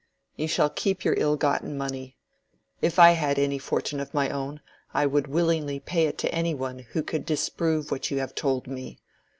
You shall keep your ill gotten money. If I had any fortune of my own, I would willingly pay it to any one who could disprove what you have told me.